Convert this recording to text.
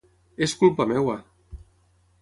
És culpa meva!